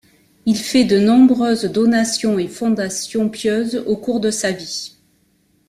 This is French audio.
Il fait de nombreuses donations et fondations pieuses au cours de sa vie.